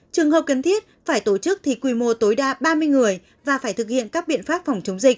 trường hợp cần thiết phải tổ chức thì quy mô tối đa ba mươi người và phải thực hiện các biện pháp phòng chống dịch